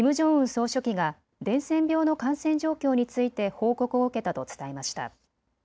総書記が伝染病の感染状況について報告を受けたと伝えました。